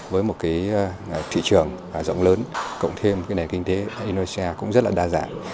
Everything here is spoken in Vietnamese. với một thị trường rộng lớn cộng thêm nền kinh tế indonesia cũng rất đa dạng